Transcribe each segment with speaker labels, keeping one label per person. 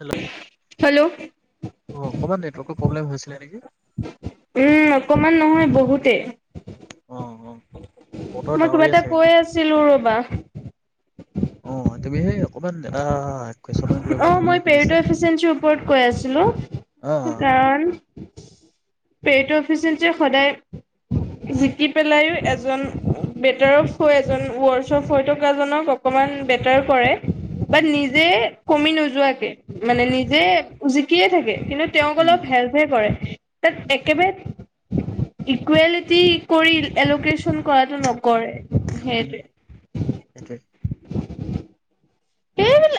Speaker 1: Hello
Speaker 2: hello
Speaker 1: অ ক'ব নেটৱৰ্কৰ প্ৰব্লেম হৈছিলে নেকি
Speaker 2: ইমান নহয় বহুতেই
Speaker 1: অ অ বতৰ
Speaker 2: মই কিবা
Speaker 1: ডাৱৰীয়া
Speaker 2: এটা
Speaker 1: চাগে
Speaker 2: কৈ আছিলো ৰবা
Speaker 1: অ তুমি সেই অকণমান অহ এটা কুৱেশ্যনক লৈ
Speaker 2: অ
Speaker 1: পেলাই তুমি
Speaker 2: মই
Speaker 1: মোক
Speaker 2: পেইট
Speaker 1: সুধিছিলা
Speaker 2: ইফচিয়াচি ওপৰত কৈ আছিলো
Speaker 1: অ
Speaker 2: পেইট এফিচেণ্টি সদায় জিকি পেলাই এজন বেটাৰ অফ হৈ এজন ৱৰ্ছ অফ হৈ থকাজনক অকণমান বেটাৰ কৰে ব
Speaker 1: উম
Speaker 2: নিজে কমি নোযোৱাকে মানে
Speaker 1: উম
Speaker 2: নিজে উজি কিয় থাকে কিন্তু তেওঁক
Speaker 1: উম
Speaker 2: অলপ হেলপে কৰে তাত একেবাৰে ইকুৱেলিটি কৰি এলকেশচন কৰাটো নকৰে
Speaker 1: উম
Speaker 2: সেইটোৱে
Speaker 1: সেইটোৱে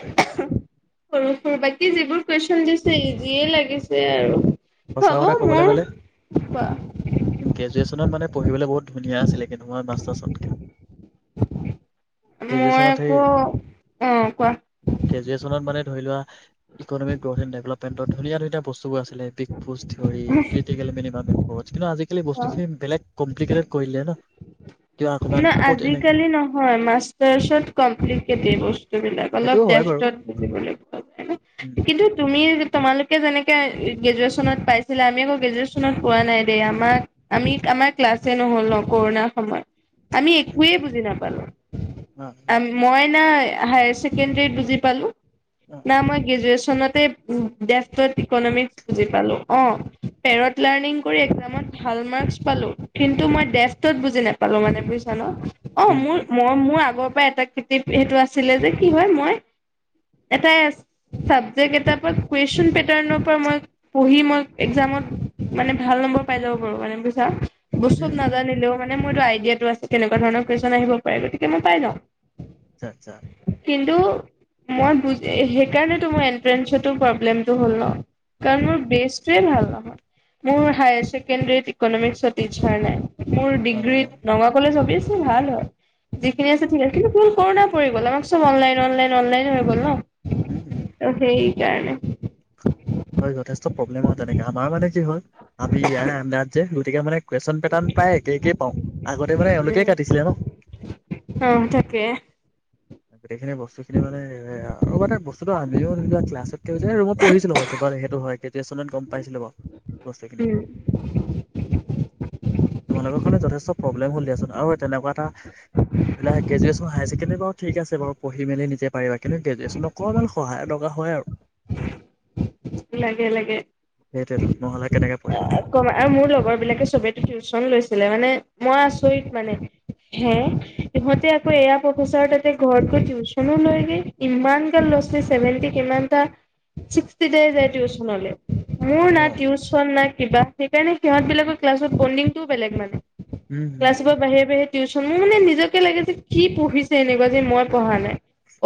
Speaker 1: ত
Speaker 2: সৰু সৰু বাকী যিবোৰ কুৱেশন দিছে ইজিয়ে লাগিছে আৰু
Speaker 1: সঁচা
Speaker 2: হব
Speaker 1: কথা
Speaker 2: হ
Speaker 1: কবলৈ গ'লে
Speaker 2: মোহ বহু
Speaker 1: গ্ৰেজুৱেশ্যনত মানে পঢ়িবলৈ বহুত ধুনীয়া আছিলে কিন্তু মই মাষ্টাৰ্চতকে
Speaker 2: মই আকৌ অ কোৱা
Speaker 1: গ্ৰেজুৱেশ্যনত মানে ধৰি লোৱা ইকনমি গ্ৰথ এণ্ড ডেভেলপমেন্টৰ ধুনীয়া ধুনীয়া বস্তুবোৰ আছিলে big boost theory critical minimum অজ কিন্তু আজিক কেলি বস্তখিনি বেলেগ কমপিলিকেতদ কৰি দিলে ন কিবা অকমান
Speaker 2: ন
Speaker 1: ক'ত এনেকে
Speaker 2: আজালি নহয় মাচষ্টচত কমপিলিকেতদ বস্ত বিলাগ অলপ
Speaker 1: সেইটোও হয় বাৰু
Speaker 2: দেফতত বুজিব লাগিব হে না
Speaker 1: উম
Speaker 2: কিন্তু তুমি তোমালোকে যেনেকে গ্ৰেজুৱেচনত পাইছিলা আমি আকৌ গ্ৰেজুৱ্যনত পোৱা নাই দেই আমাক আমি আমাৰ ক্লাছে নহল ন কৰুণাৰ সময়ত আমি একোৱে বুজি নাপালো
Speaker 1: অ
Speaker 2: আ
Speaker 1: অ
Speaker 2: মই না হায়াৰ ছেকেণ্ডৰীত বুজি পালো
Speaker 1: আচ্ছা
Speaker 2: ন মই গ্ৰেজয়েচ ন অ দেফতত ইকনমি বুজি পালোঁ অহ তেৰহ পিলাইনিগ কৰি ইকজাত ভাল মাকচ পালোঁ কিন্তু মই দেফতত বুজি নাপালোঁ মানে বুজিছা ন অ মোৰ মই মোৰ আগৰ অ এটা কৃতিপ আছিল সেইটো আছিলে যে কি হয় মই এটা চাবজেকট এাৰ কুৱেশন পেটাৰ্ পৰা মই পঢ়ি মই একজামত মানে ভাল নম্বৰ পাই যাব পাৰো মানে ব চব নাজানিলেও মানে মোৰো আইডিয়াটো আছে। কেনেকুৱা ধৰণৰ কুৱেশন আহিব পাৰে। গতিকে মই পাই ন
Speaker 1: আচ্ছা আচ্ছা।
Speaker 2: কিন্তু মই বুজ-সেইকাৰণেতো মোৰ এন্ট্ৰেন্ঞ্চতো প্ৰব্লেমটো হ'ল ন। কাৰণ মোৰ বেছটোৱে ভাল ন। মোৰ হেয়াৰ ছেকণ্ডৰীত ইকনমিক ত্ৰিছৰ নাই। মোৰ
Speaker 1: অ
Speaker 2: ডিগ্ৰীত ন অবিয়েচলি ভাল হয়। যিখিনি আছে ঠিক আছিল। কিন্তু কোন কৰোণা পৰি গ'ল, আমাক চব অনলাইন, অনলাইন, অনলাইন হৈ গ'ল ন। অ, সেই- জ নে। [unintelligible]
Speaker 1: হয় যথেষ্ট প্ৰব্লেম হয়। তেনেকে আমাৰ মানে কি হয় আমি ইয়াৰে আন্ডাৰত যে। তেতিয়া মানে কোৱেচন পেটাৰ প্ৰায় একে একেই পাওঁ। আগতে মানে এওঁলোকেই
Speaker 2: উম।
Speaker 1: কাটিছিলে ন।
Speaker 2: অ' তাকে।
Speaker 1: গোটেইখিনি বস্তু খিনি মানে এ আৰু এটা বস্তুটো আমি ও ধৰি লোৱা ক্লাছত নিজে ৰুমত পঢ়িছিলো হোৱাটচ আপট সেই টো হয়। দ্বিতীয় চেমত লগ পাইছিলো বাৰু। [unintelligible]
Speaker 2: উম।
Speaker 1: তোমালোকৰ কাৰণে যথেষ্ট প্ৰব্লেম হ'ল দিয়াচোন। আৰু তেনেকুৱা এটা গ্ৰেজুৱেচন, হায়াৰছেকেণ্ডেৰি বাৰু ঠিক আছে বাৰু পঢ়ি মেলি নিজে পাৰিবা। কিন্তু গ্ৰেজুৱেশ্যনতক অকনমান সহায়ৰ দৰকাৰ হয় আৰু।
Speaker 2: লাগে, লাগে
Speaker 1: সেইটোৱেতো নহ'লে কেনেকে পঢ়িবা।
Speaker 2: অকনমান আৰু মোৰ লগৰ বিলাকে চবেটো টিউচন লৈছিলে মানে মই আচৰিত মানে হে, ইহঁতে আকৌ এয়া প্ৰফেচাৰ ততে ঘৰত গৈ টিউচনো লৈগে। ইমান গাল ল'ৰা-ছোৱালী চেভেনটি কিমান টা [unintelligible] টিউচনলৈ। মোৰ না
Speaker 1: উম,
Speaker 2: টিউচন না। কিবা সেইকাৰণে সিহঁত বিলাকৰ ক্লাছত বডিংটোও বেলেগ মানে।
Speaker 1: উম।
Speaker 2: ক্লাছৰ পৰা বাহিৰে বাহিৰে টিউচন মোৰ মানে নিজকে লাগে যে, কি পঢ়িছে এনেকুৱা, যে মই পঢ়া নাই।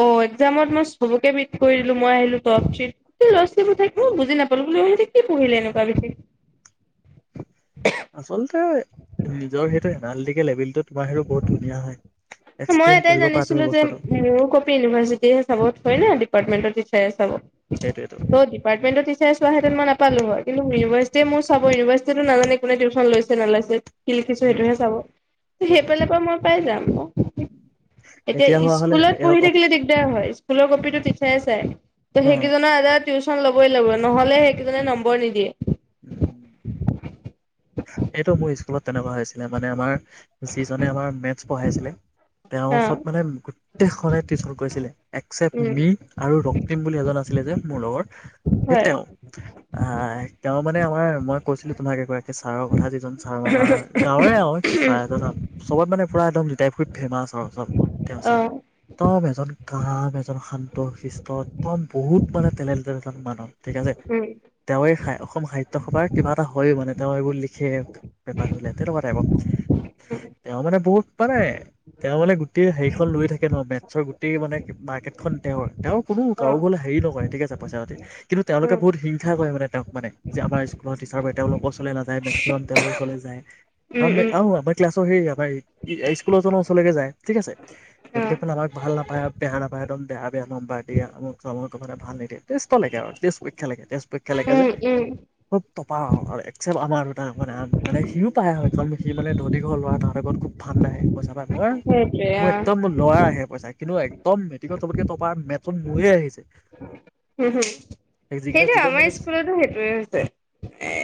Speaker 2: অ'একজামত ম চবকে মিট কৰি দিলোঁ মই আহিলোঁ তপ থ্ৰিত, এই ল'ৰা ছোৱালীবোৰ [unintelligible] বুজি নাপালো বুলি সিহঁতি কি পঢ়িলে এনেকুৱা [inaudible]
Speaker 1: আচলতে নিজৰ সেইটো হেনালিটিকেল লেভেলটো তোমাৰ সেইটো বহুত ধুনীয়া হয়।
Speaker 2: মই
Speaker 1: এক্সপ্লেইন
Speaker 2: এটাই
Speaker 1: কৰিব পাৰা তুমি
Speaker 2: জানিছিলো যে
Speaker 1: বস্তুটো
Speaker 2: মোৰ কপি লোৱা যদি চাবত পৰিলে ডিপাৰ্টমেণ্টৰ বিষয়ে চাব।
Speaker 1: সেইটোৱেতো।
Speaker 2: ত' ডিপাৰ্টমেন্টৰ টিচাৰে চোৱাহেঁতেন মই [inaudible] পালো হয়, কিন্তু ইউনিভাৰ্চিটি মোৰ চাব ইউনিভাৰ্চিটিতো নাজানে কোনে টিউশন লৈছে নলইছে। কি লিখিছো
Speaker 1: উম,
Speaker 2: সেইটোহে চাব,
Speaker 1: সেইটোৱে
Speaker 2: সেইফালৰ পৰা মই পাই যাম। এতিয়া
Speaker 1: হোৱা হ'লে
Speaker 2: স্কুলত
Speaker 1: এ
Speaker 2: পঢ়ি থাকিলে দিগদাৰ হয়। স্কুলকপিটো টিছাৰে চাই। ত সেইকিজনে আজাদ। টিউশচন ল'বই লাগিব, নহলে সেইকেইজনে নম্বৰ নিদিয়ে।
Speaker 1: উম। এইটো মোৰ স্কুলত তেনেকুৱা হৈছিলে। মানে আমাৰ যিজনে আমাৰ মেথছ পঢ়াইছিলে। তেওঁৰ
Speaker 2: হা।
Speaker 1: ওচৰত মানে গোটেইখনে টিউশন গৈছিলে একচেপ্ট
Speaker 2: উম
Speaker 1: মি, আৰু ৰক্তিম বুলি এজন আছিলে যে। মোৰ লগত সেই
Speaker 2: হয়
Speaker 1: তেওঁ আহ, তেওঁ মানে। মানে আমাৰ মই কৈছিলো তোমাক এগৰাকি এয়া ছাৰৰ কথা যিজন ছাৰ মামা গাঁৱৰে আৰু ছাৰ এজন চবত মানে পুৰা একদম তাই খুব ফেমাচ। ত ত তেওঁ ছাৰ
Speaker 2: অ'
Speaker 1: তব এজন। [unintelligible] এজন শান্ত শিষ্ট একদম বহুত মানে ঠেলেন ঠেড এজন মানুহ ঠিক আছে।
Speaker 2: উম।
Speaker 1: তেওঁৱে অসম সাহিত্য সভাৰ কিবা এটা হয় মানে। এইবোৰ লিখে এপৰ তেনেকুৱা টাইপৰ।
Speaker 2: উম,
Speaker 1: তেওঁ মানে বহুত মানে তেওঁ মানে গোটেই হেৰিখন লৈ থাকে ন, মেথছৰ গোটেই মানে মাৰ্কেট খন তেওঁৰ। তেওঁৰ কোনো কাৰো
Speaker 2: অ'
Speaker 1: ঘৰলে হেৰি নকৰে ঠিক আছে পইচা পাতি কিন্তু, তেওঁলোকে
Speaker 2: উম
Speaker 1: বহুত হিংসা কৰে মানে তেওঁক মানে। [unintelligible] তেওঁলোকচ। কলৈ নাযায় মেক্সিমাম তেওঁৰ ওচৰলৈ যায়। আ
Speaker 2: উম উম
Speaker 1: আহআ আমাৰ ক্লাছৰ হেৰিয়া। তাই স্কুলৰ ওছৰজনৰ লৈকে যায় ঠিক আছে। গতিকে
Speaker 2: অ'
Speaker 1: চোন আমাক ভাল নাপায়, বেয়া নাপায় একদম বেয়া বেয়া নম্বাৰ দিয়ে ভাল নিদিয়ে তেষ্ট লৈকে আৰু তেষ্ট পৰীক্ষা লৈকে তেষ্ট পৰীক্ষা খেলেকে যে
Speaker 2: উম উম।
Speaker 1: খুব। তপা আৰু এক। আমাৰ দুটা মানে মানে সিও পায় হয় কাৰণ সি মানে ধনীঘৰৰ ল'ৰা তাহাতৰ ঘৰত খুব ফাণ্ড আহে। থাপা মই
Speaker 2: সেইটোৱে
Speaker 1: মোৰ,
Speaker 2: অ
Speaker 1: একদমোৰ ল'ৰাহে। পইচা কিন্তু একদম মেট্ৰিকত চলকে তপ মেটন মূৰিয়ে আহিছে।
Speaker 2: হম হুম
Speaker 1: যিকেইটা
Speaker 2: সেইটো
Speaker 1: যিজন
Speaker 2: আমাৰ
Speaker 1: মানে
Speaker 2: স্কুলতো সেইটোয়ে হৈছে।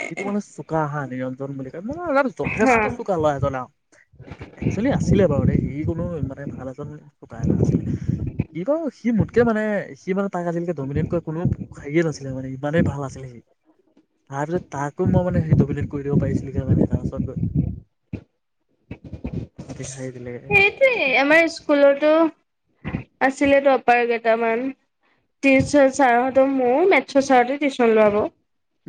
Speaker 1: যিটো মানে চোকা আহা নিৰঞ্জন বুলি! [unintelligible]
Speaker 2: হা
Speaker 1: যথেষ্ট চোকা লৰা এজন, একচুৱেলি আছিলে বাৰু দে হি কোনো মানে! ভাল এজন ককা এজন আছিলে। সি তো সি মোতকে মানে সি তাক আজিলৈকে ডমিনেট কোনো হেৰীয়ে নাছিলে মানে ইমানেই ভাল আছিলে সি তাৰ পিছত তাক কোন মই মানে সেই ডবিলত কৰি দিব পাৰিছিলে মানে তাৰপাছত গৈ।
Speaker 2: সেইটোৱে আমাৰ স্কুলতো আছিলেতো অপাৰগেত দামান। টিচাৰ চাৰহঁতৰ ময়ো মে ছ' চাৰটি টিউশ্যন লোৱাব।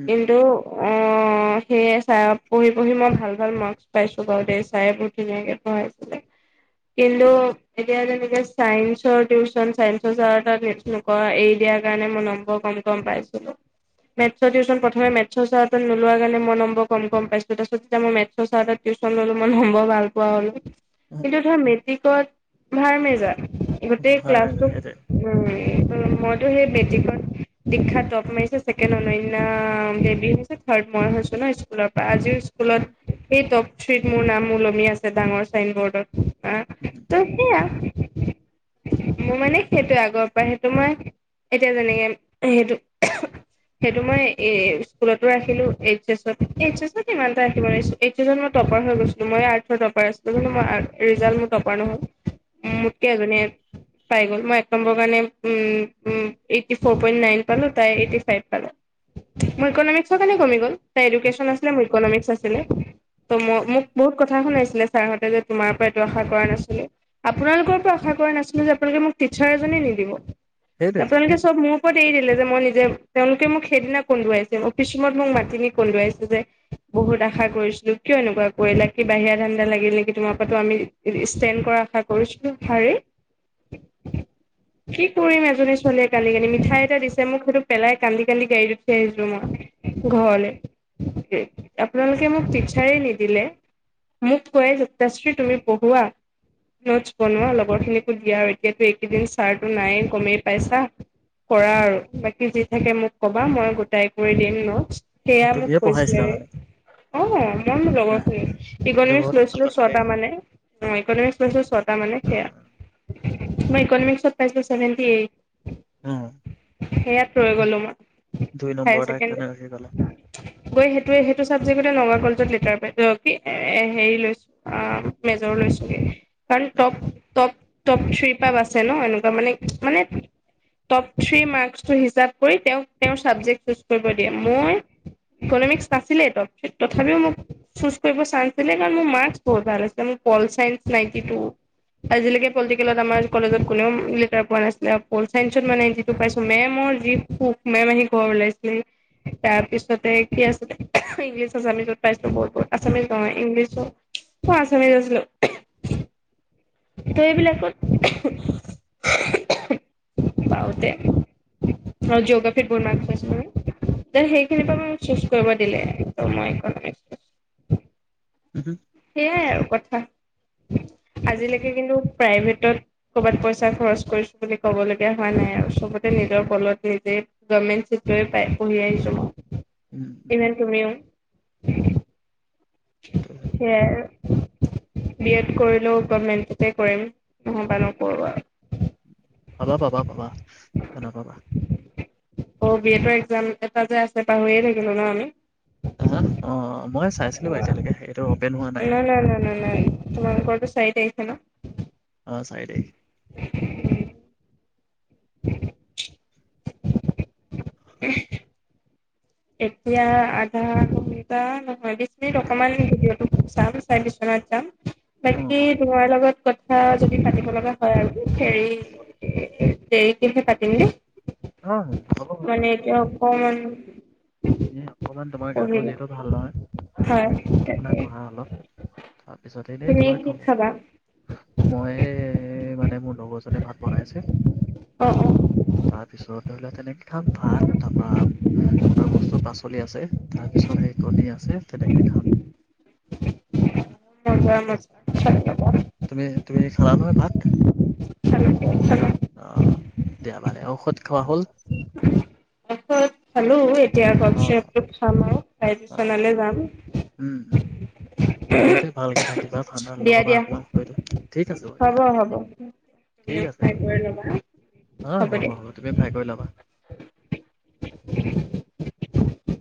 Speaker 2: কিন্ত অ', সেয়ে ছাৰ পঢ়ি পঢ়ি মই ভাল ভাল মাৰ্কচ পাইছোঁ বাৰু দেই, ছাৰে বহুত ধুনীয়াকে পঢ়াইচে। কিন্তু এতিয়া যেনেকে চাইন্সৰ টিউশ্যন চাইন্সৰ চাৰৰ তাত নে-নকৰা, এই দিয়াৰ কাৰণে মই নম্বৰ কম কম পাইছিলোঁ। মেথছৰ টিউশ্যন প্ৰথমে মেথচৰ চাৰৰ তাত নোলোৱা কাৰণে মই নম্বৰ কম কম পাইছিলোঁ তাৰপছত যেতিয়া মই মেথছৰ চাৰ টিউশ্যন ল'লো মই নম মই ভাল পোৱা হ'লো। কিন্তটো ধৰ মেট কি ক'ত ভাৰ মেজা। গোটেই
Speaker 1: ভালে
Speaker 2: ক্লাছ তোক
Speaker 1: সেইটোৱে
Speaker 2: ভাৰ্মাই উম, মইটো সেই মেটিকত দীক্ষাত টপ মাৰিছে ছেকেণ্ড অনন্যা বেবী হৈছে থাৰ্ড মই হৈছো ন' স্কুলৰ। বা আজিও স্কুলত সেই টপ স্ৰীত মোৰ নাম ওলমি আছে ডাঙৰ চাইন ব'ৰ্ডত। আহ ত' সেয়া
Speaker 1: [inaudible]
Speaker 2: মোৰ মানে সেইটোে আগৰ পৰা সেইটো মই এতিয়া যেনেকে সেইটো মই স্কুলতো ৰাখিলো এইচ এছত এইচ এছত কিমানটা ৰাখিব এইচ এছত মই টপাৰ হৈ গৈছিলো মই আৰ্থৰ টপাৰ আছ ম' ৰিজাল্ট মোই টপাৰ নহয়। উম, মোতকে এজনীয়ে পাই গ'ল মই এক নম্বৰৰ কাৰণে um, um, eighty four point nine পালোঁ তাই এইটি ফাইভ পালে, মই ইকনমিক্সৰ কাৰণে ৰখি গ'ল। তাই এডুকেশন
Speaker 1: আচ্ছা
Speaker 2: আছিল
Speaker 1: আচ্ছা
Speaker 2: মোৰ ইকনমিক্স আছ হ'লে। তই মই মোক বহুত কথা শুনাইছ ছাৰহতে তোমাৰ পৰা এইটো কথা আশা কৰা নাছিলো, আপোনালোকৰ পৰা আশা কৰা নাছিলো যে আপোনালোকে মোক টিচাৰ এজনে নিদিব।
Speaker 1: সেইটোৱেতো
Speaker 2: আপোনালোকে চব মোৰ এৰি দিলে যে মই নিজে তেওঁলোকে মোক সেইদিনা কন্দুৱাইছিল অফিচ ৰুমত মোক মাতি নি কন্দুৱাইছে যে বহুত আশা কৰিছিলো কিয় এনেকুৱা কৰিলা কি বাহিৰা ধান কিবা লাগিল নেকি তোমাৰ পৰা তোমাৰ পৰাটো আমি ষ্টেণ্ড কৰা আশা কৰিছিলো হাৰে, কি কৰিম এজনি ছোৱালী কান্দি কান্দি মিঠাই এটা দিছে মোক সেইটো পেলাই কান্দি কান্দি গাড়ীত উঠি আহিছো মই ঘৰলে কি আপনালোকে মোক টিচাৰেই নিদিলে মোক থৈ যুক্তাশ্ৰী তুমি পঢ়োৱা, নোটচ বনোৱা লগৰ খিনিকো দিয়া আৰু এতিয়োতো এইকেইদিন ছাৰটো নায়েই গমেই পাইছা, কৰা আৰু বাকী যি থাকে মোক ক'বা মই গোটাই কৰি দিম ন সেয়া মোক
Speaker 1: তুমিয়ে
Speaker 2: কৈছিলে
Speaker 1: পঢ়াইছিলা মানে
Speaker 2: অ', মই মোৰ লগৰ
Speaker 1: হা
Speaker 2: খিনি
Speaker 1: এইটো
Speaker 2: ইকনমিক্স
Speaker 1: বহুত ভাল
Speaker 2: লৈছিলো
Speaker 1: কথা
Speaker 2: ছটা
Speaker 1: দেই
Speaker 2: মানে অ', ইকনমিক্স লৈছো ছটা মানে
Speaker 1: অ
Speaker 2: সেয়া মই ইকনমিক্সত পাইছিলো চেভেণ্টি এইট।
Speaker 1: অ
Speaker 2: সেইয়াত ৰৈ গ'লো মই,
Speaker 1: দুই
Speaker 2: হায়
Speaker 1: নম্বৰ এটা কাণত
Speaker 2: ছেকেণ্ডী
Speaker 1: ৰাখি গলা
Speaker 2: গৈ সেইটোৱে, সেইটো চাবজেক্ট কতে নগা [unintelligible] এ, এ হেৰি লৈছো আ, মেজৰ লৈছো কাৰণ টপ, টপ টপ থ্ৰ্ৰী পৰা বাছে ন এনেকুৱা মানে মানে টপ থ্ৰী মাৰ্কচটো হিচাপ কৰি তেওঁক তেওঁৰ ছাবজেক্ট চুজ কৰিব দিয়ে মই ইকনমিক্স নাছিলেই টপ থ্ৰী তথাপিও মোক চজ কৰিব চছিলে কাৰণ মোৰ মাৰ্ক বহুত ভাল আছিলে মোৰ পল চাইস নাইনটি টু আজিলৈকে পলিটিকেলত আমাৰ কলেজত কোনেওঁ লেটাৰ পোৱা নাছিলে পল চাইন্সত মানে নটি পাইছো মেমৰ যি সুখ মেম আহি ঘৰ ওলাইছিলে তাৰ পিছতে কি আছিল ইংলিছ এছামিছত পাইছিলো বহুত বহুত আছামিজ কওঁ ইংলিছো অঁ আছামিজ আছিলো ত এইবিলাকতওঁতে জঅগ্ৰাফ বহুত মাস্ক সেইখিনিৰ পৰা চজ কৰিব দিলে মই
Speaker 1: উম, হুম,
Speaker 2: সেইয়াই আৰু কথা
Speaker 1: তাক
Speaker 2: [unintelligible] এনেই তুমিও উম
Speaker 1: সেইটো
Speaker 2: সেয়াই আৰু বি এড কৰিলও গভমেন্টতে কৰিম নহবা নকৰোঁ আৰু
Speaker 1: পাবা পাবা পাবা জানা পাবা
Speaker 2: অঁ বি এডৰ এক্জাম এটা যে আছে পাহৰিয়ে থাকিলো ন আমি
Speaker 1: হা অঁ মই চাইছিলো বাৰু এতিয়ালৈকে এইটো অপেন হোৱা
Speaker 2: অঁ ন নাই নাই ন নাই তোমাৰ কত চাইড আহছে ন
Speaker 1: অ চাৰি তাৰিখ
Speaker 2: [unintelligible] এতিয়া আধা ঘন্টা নহয় বিশ মিনিট অকমান ভিডিঅ' তো চাম চাই বিছনত যাম
Speaker 1: অ
Speaker 2: বাকী
Speaker 1: অ
Speaker 2: তোমাৰ লগত কথা কথা যদি পাতিব লগা হয় আৰু দেৰিকৈ পাতিম দেই
Speaker 1: অ হ'ব
Speaker 2: ম
Speaker 1: হ'ব
Speaker 2: তেওঁ অকনমান
Speaker 1: অকমান তোমাৰ গাটো যিহেতু ভাল নহয়
Speaker 2: হয়
Speaker 1: তুমি পঢ়া শুনা
Speaker 2: তাকে
Speaker 1: কৰা অলপ তাৰপিছতে এনেই
Speaker 2: তুমি
Speaker 1: তোমাৰ
Speaker 2: কি খাবা?
Speaker 1: খবৰ মই মানে মোৰ লগৰজনে ভাত বনাইছে
Speaker 2: অ', অ',
Speaker 1: তাত তাৰপিছত ধৰি লোৱা তেনেকেই খাম ভাত তাৰপৰা আৰু বস্তু পাচলি আছে তাৰপিছত সেই কণী আছে তেনেকে খাম
Speaker 2: মজা মজা
Speaker 1: তুমি তুমি খালানো হয় ভাত
Speaker 2: চল চল [inaudible]
Speaker 1: আঁহ দিয়া বাৰে ঔষধ খোৱা হ'ল
Speaker 2: ত খালো এতিয়া গমচপ খাম আৰু খাই বিচনালে
Speaker 1: অঁ
Speaker 2: যাম
Speaker 1: উম সেইটোৱে ভালকৈ থাকিবা ঠাণ্ডা
Speaker 2: দিয়া
Speaker 1: নলগাবা
Speaker 2: দিয়া
Speaker 1: আক হয়টো ঠিক আছে বাৰু দিয়া
Speaker 2: হ'ব হ'ব
Speaker 1: ঠিক
Speaker 2: তুমিও
Speaker 1: আছে
Speaker 2: খাই
Speaker 1: বাৰ
Speaker 2: বৈ ল'বা।
Speaker 1: অ হ'ব হ'ব তুমি ফ্ৰাই কৰি লবা
Speaker 2: [unintelligible]